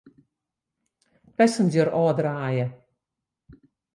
Passenger ôfdraaie.